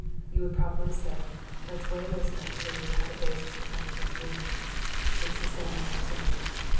You would probably say, "Let's weigh those nuts so we will have a basis for coming to an agreement." It's the same way with timber.